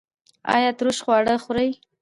ایا ترش خواړه خورئ؟